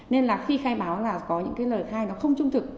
nên là khi khai báo là có những cái lời khai nó không trung thực